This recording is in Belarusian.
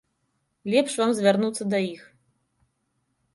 Лепш вам звярнуцца да іх.